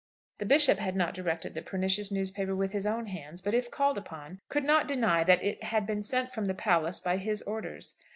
The Bishop had not directed the pernicious newspaper with his own hands, but if called upon, could not deny that it had been sent from the palace by his orders.